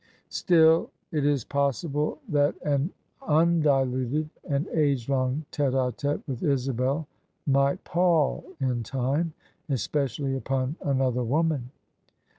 '' Still it is possible that an imdiluted and age long tete a tete with Isabel might pall in time— especially upon another woman."